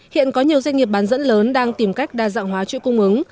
hiện có nhiều doanh nghiệp bán dẫn lớn đang tìm cách đa dạng hóa chuỗi cung ứng